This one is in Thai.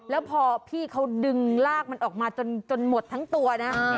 แล้วพอพี่เขาดึงลากมันออกมาจนหมดทั้งตัวนะ